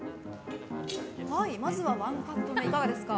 まずは１カット目いかがですか。